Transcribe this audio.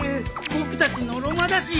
僕たちのろまだし。